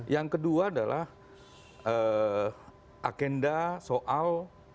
yang kedua adalah agenda soal